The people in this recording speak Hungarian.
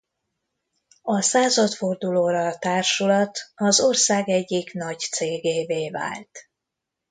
A századfordulóra a társulat az ország egyik nagy cégévé vált.